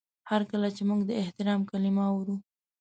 هر کله چې موږ د احترام کلمه اورو